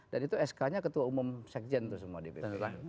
dan itu sk nya ketua umum sekjen itu semua di bpp